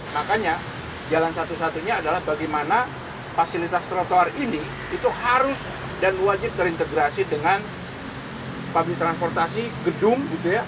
makanya jalan satu satunya adalah bagaimana fasilitas trotoar ini itu harus dan wajib terintegrasi dengan pabrik transportasi gedung gitu ya